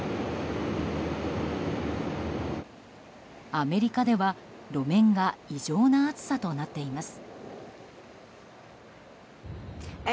アメリカでは路面が異常な熱さとなっています。